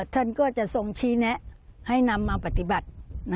ท่านก็จะทรงชี้แนะให้นำมาปฏิบัติ